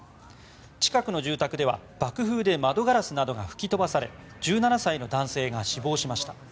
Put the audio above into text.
近くの住宅では爆風で窓ガラスなどが吹き飛ばされ１７歳の男性が死亡しました。